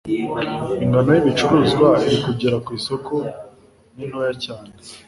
ingano y' ibicuruzwa iri kugera ku isoko ni ntoya cyane